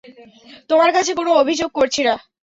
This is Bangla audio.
তোমার কাছে কোন অভিযোগ করছি না?